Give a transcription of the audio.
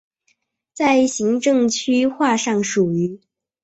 在行政区划上属于。